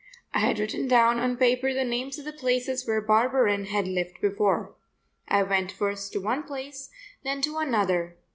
I had written down on paper the names of the places where Barberin had lived before. I went first to one place, then to another.